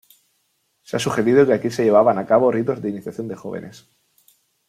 Se ha sugerido que aquí se llevaban a cabo ritos de iniciación de jóvenes.